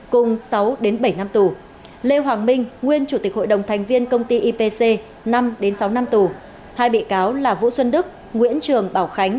cùng sáu bảy năm tù lê hoàng minh nguyên chủ tịch hội đồng thành viên công ty ipc năm sáu năm tù hai bị cáo là vũ xuân đức nguyễn trường bảo khánh